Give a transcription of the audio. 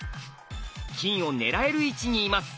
金を狙える位置にいます。